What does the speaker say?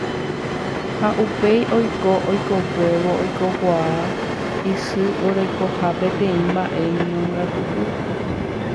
ha upéi oiko oikokuévo oikuaa isy orekoha peteĩ mba'e ñongatupy